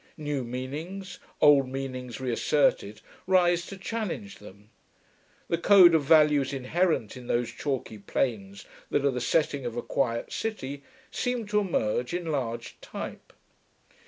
New meanings, old meanings reasserted, rise to challenge them; the code of values inherent in those chalky plains that are the setting of a quiet city seem to emerge in large type.